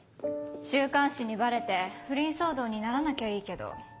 週刊誌にバレて不倫騒動にならなきゃいいけど。